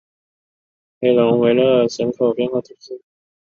佩龙维勒人口变化图示